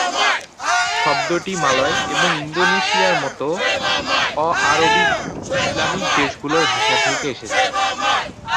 শব্দটি মালয় এবং ইন্দোনেশিয়ার মতো অ-আরবিক ইসলামিক দেশগুলির ভাষা থেকে এসেছে।